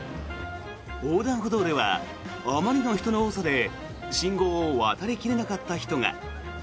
横断歩道ではあまりの人の多さで信号を渡り切れなかった人が。